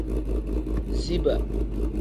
Ziba.